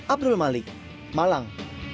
abdul malik malang